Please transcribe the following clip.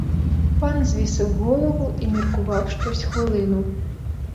Пан звісив голову і міркував щось хвилину.